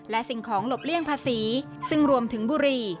และสิ่งของหลบเลี่ยงภาษีซึ่งรวมถึงบุรี